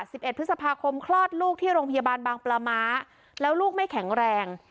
สิบเอ็ดพฤษภาคมคลอดลูกที่โรงพยาบาลบางปลาม้าแล้วลูกไม่แข็งแรง